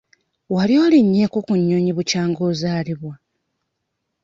Wali olinnyeeko ku nnyonyi bukyanga ozaalibwa?